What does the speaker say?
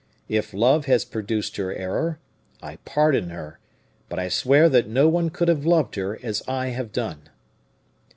If love has produced her error, I pardon her, but I swear that no one could have loved her as I have done.